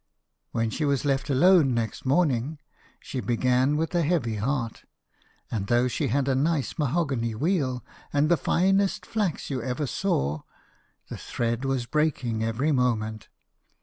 When she was left alone next morning, she began with a heavy heart; and though she had a nice mahogany wheel and the finest flax you ever saw, the thread was breaking every moment.